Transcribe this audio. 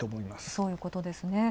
そういうことですね。